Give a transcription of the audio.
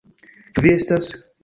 Ĉu vi estas?